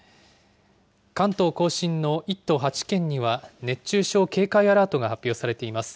関東甲信の１都８県には熱中症警戒アラートが発表されています。